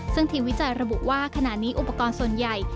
ซึ่งทีมวิจัยระบุว่าขณะนี้อุปกรณ์ส่วนใหญ่